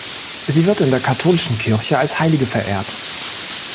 Sie wird in der katholischen Kirche als Heilige verehrt.